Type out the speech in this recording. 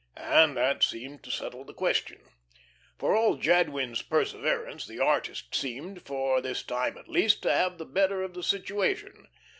And that seemed to settle the question. For all Jadwin's perseverance, the artist seemed for this time at least to have the better of the situation.